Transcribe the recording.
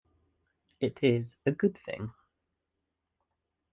It is a good thing.